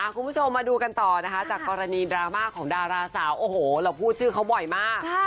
คุณผู้ชมมาดูกันต่อนะคะจากกรณีดราม่าของดาราสาวโอ้โหเราพูดชื่อเขาบ่อยมาก